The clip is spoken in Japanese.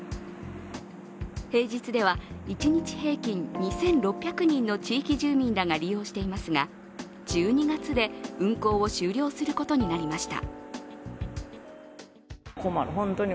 平日では一日平均２６００人の地域住民らが利用していますが、１２月で運行を終了することになりました。